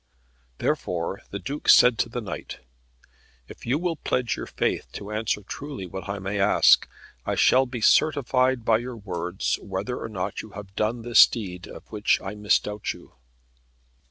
Therefore the Duke said to the knight, "If you will pledge your faith to answer truly what I may ask, I shall be certified by your words whether or not you have done this deed of which I misdoubt you."